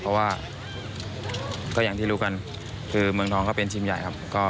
เพราะว่าก็อย่างที่รู้กันคือเมืองทองก็เป็นทีมใหญ่ครับ